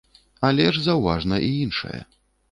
Але ж заўважна і іншае.